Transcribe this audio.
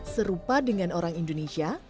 serupa dengan orang indonesia